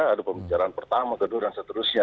ada pembicaraan pertama kedua dan seterusnya